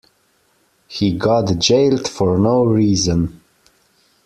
He got jailed for no reason.